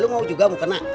lu mau juga mukena